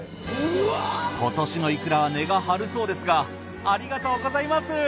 今年のいくらは値が張るそうですがありがとうございます。